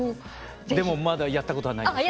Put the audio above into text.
でもまだやったことはないです。